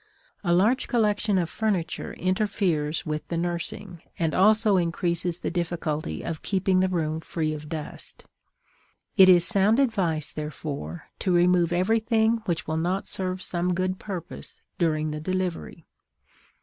A large collection of furniture interferes with the nursing, and also increases the difficulty of keeping the room free of dust. It is sound advice, therefore, to remove everything which will not serve some good purpose during the delivery.